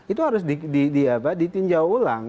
itu harus ditinjau ulang